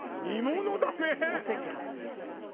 お赤飯大丈夫でも。